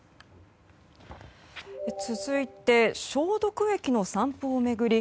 続いて、消毒液の散布を巡り